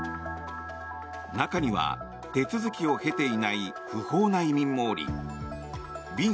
中には手続きを経ていない不法な移民もおりヴィン